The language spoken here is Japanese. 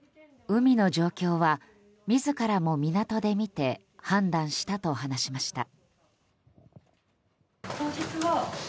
海の状況は、自らも港で見て判断したと話しました。